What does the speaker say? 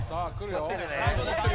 気をつけてね。